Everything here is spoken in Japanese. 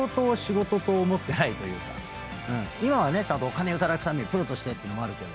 今はちゃんとお金を頂くためにプロとしてっていうのもあるけど。